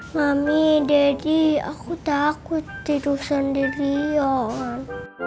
mami deddy aku takut tidur sendirian